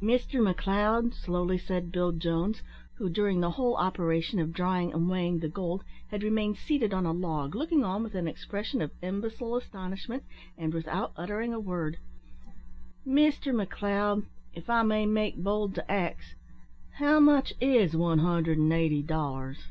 "Mister McLeod," slowly said Bill Jones who, during the whole operation of drying and weighing the gold, had remained seated on a log, looking on with an expression of imbecile astonishment, and without uttering a word "Mister McLeod, if I may make bold to ax, how much is one hundred and eighty dollars?"